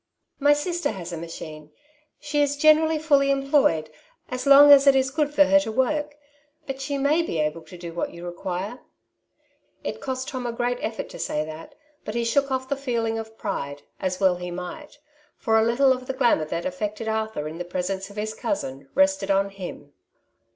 •'My sister has a machine. She is generally fully employed, as long as it is good for her to work; but she may be able to do what you ro« quire." It cost Tom a great efibrt to say thiit, but he shook off the feeling of pride, as well he might, for a little of the glamour that affected Arthur in the presence of his cousin rested on him.